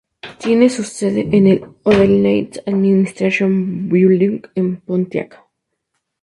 Tiene su sede en el "Odell Nails Administration Building" en Pontiac.